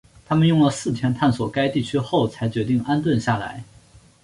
他们用了四天探索该区后才决定安顿下来。